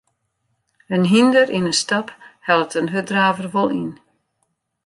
In hynder yn 'e stap hellet in hurddraver wol yn.